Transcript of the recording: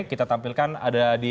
kita tampilkan ada di